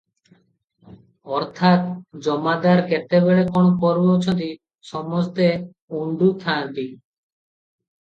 ଅର୍ଥାତ୍ ଜମାଦାର କେତେବେଳେ କଣ କରୁ ଅଛନ୍ତି ସମସ୍ତେ ଉଣ୍ଡୁ ଥାଆନ୍ତି